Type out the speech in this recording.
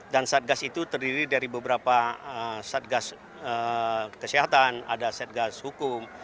dan satgas itu terdiri dari beberapa satgas kesehatan ada satgas hukum